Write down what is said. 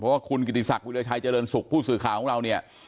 เพราะว่าคุณกิติศักดิราชัยเจริญสุขผู้สื่อข่าวของเราเนี่ย